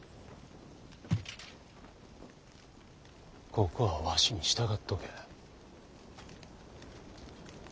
ここはわしに従っとけ。